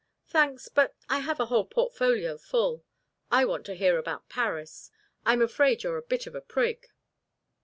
"Thanks but I have a whole portfolio full. I want to hear about Paris. I'm afraid you're a bit of a prig."